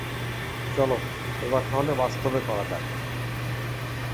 চলো, এবার তাহলে বাস্তবে করা যাক।